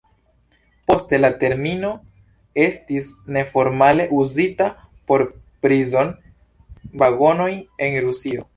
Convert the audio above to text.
Poste la termino estis neformale uzita por prizon-vagonoj en Rusio.